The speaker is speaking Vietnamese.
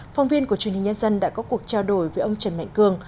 phòng viên của truyền hình nhân dân đã có cuộc trao đổi với ông trần mạnh cương